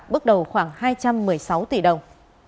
bước đầu khoảng hai trăm một mươi sáu tỷ đồng